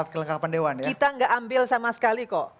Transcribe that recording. kita gak ambil sama sekali kok